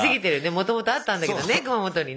もともとあったんだけどね熊本にね。